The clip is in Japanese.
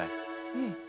うん。